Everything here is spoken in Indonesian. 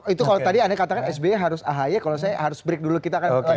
itu kalau tadi anda katakan sby harus ahy kalau saya harus break dulu kita akan